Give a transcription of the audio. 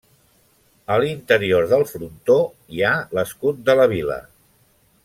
A l'interior del frontó hi ha l'escut de la vila.